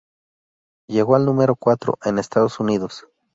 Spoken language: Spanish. Llegó al número cuatro, en Estados Unidos.